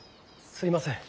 すいません。